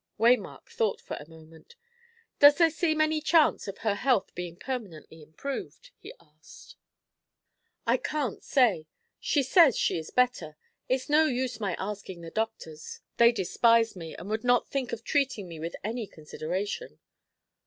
Waymark thought for a moment. "Does there seem any chance of her health being permanently improved?" he asked. "I can't say. She says she is better. It's no use my asking the doctors; they despise me, and would not think of treating me with any consideration."